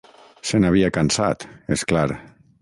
Se n'havia cansat, és clar.